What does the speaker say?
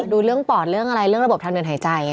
ดูเรื่องปอดเรื่องอะไรเรื่องระบบทางเดินหายใจ